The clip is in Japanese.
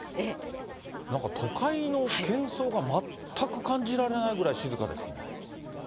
なんか都会の喧騒が全く感じられないぐらい静かですね。